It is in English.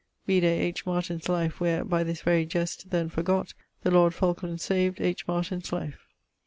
Vide H. Martyn's Life, where by this very jest, then forgot, the lord Falkland saved H. Martyn's Life.